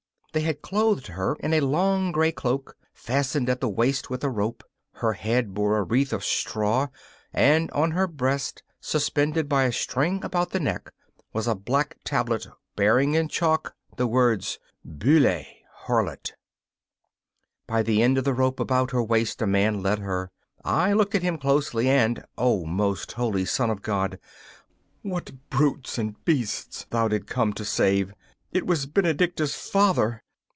They had clothed her in a long gray cloak, fastened at the waist with a rope. Her head bore a wreath of straw, and on her breast, suspended by a string about the neck, was a black tablet bearing in chalk the word 'Buhle' harlot. By the end of the rope about her waist a man led her. I looked at him closely, and O most holy Son of God, what brutes and beasts Thou didst come to save! it was Benedicta's father!